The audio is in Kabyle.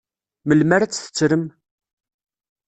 Melmi ara tt-tettrem?